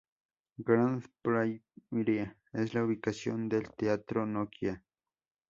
Grand Prairie es la ubicación del Teatro Nokia.